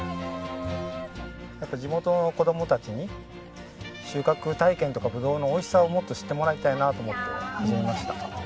やっぱ地元の子供たちに収穫体験とかぶどうの美味しさをもっと知ってもらいたいなと思って始めました。